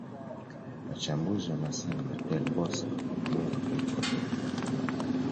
Wachambuzi wanasema Del Bosque ni bora kuliko Pep Guardiola